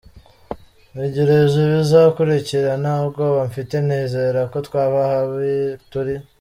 Ntegereje ibizakurikira, nta bwoba mfite, nizera ko twava habi turi.